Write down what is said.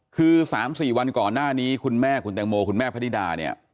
คือ๓๔วันก่อนหน้านี้คุณแม่คุณแตงโมคุณแม่พนิดาเนี่ย